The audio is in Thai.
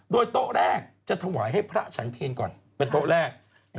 โดยโต๊ะแรกจะถวายให้พระฉันเพลก่อนเป็นโต๊ะแรก